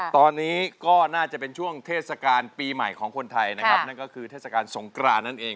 ตอนนี้ก็น่าจะเป็นช่วงเทศกาลปีใหม่ของคนไทยนะครับนั่นก็คือเทศกาลสงกรานนั่นเอง